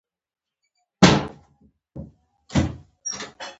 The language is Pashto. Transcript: او له دې کبله هغوی له ليکلو يا ويلو ډډه کوي